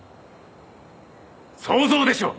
想像でしょ！